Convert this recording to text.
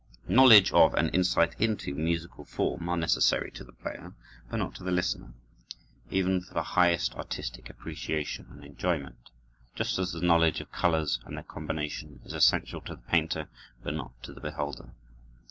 Knowledge of and insight into musical form are necessary to the player, but not to the listener, even for the highest artistic appreciation and enjoyment, just as the knowledge of colors and their combination is essential to the painter, but not to the beholder.